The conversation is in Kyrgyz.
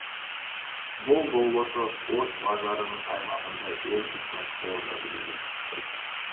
Бул болсо Ош базарынын аймагындагы эки чоң соода үйү.